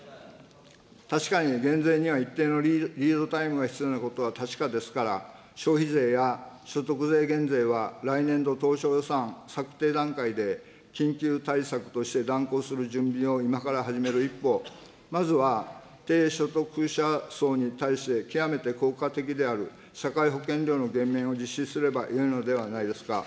確かに減税には一定のリードタイムが必要なことは確かですから、消費税や所得税減税は来年度当初予算策定段階で緊急対策として断行する準備を今から始める一方、まずは低所得者層に対して極めて効果的である社会保険料の減免を実施すればよいのではないですか。